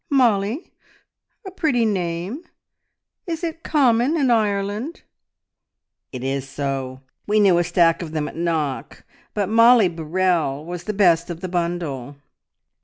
"Mollie? A pretty name! Is it common in Ireland?" "It is so. We knew a stack of them at Knock, but Mollie Burrell was the best of the bundle."